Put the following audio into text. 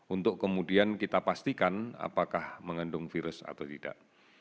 untuk kemudian kita pastikan apakah mengandung virus atau tidak